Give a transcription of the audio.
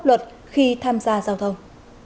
luật khi tham gia giao thông